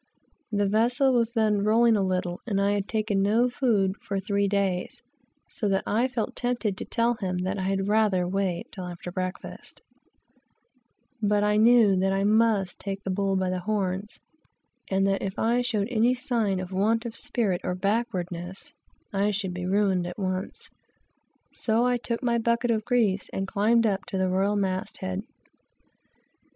The vessel was then rolling a little, and I had taken no sustenance for three days, so that I felt tempted to tell him that I had rather wait till after breakfast; but I knew that I must "take the bull by the horns," and that if I showed any sign of want of spirit or of backwardness, that I should be ruined at once. So I took my bucket of grease and climbed up to the royal mast head.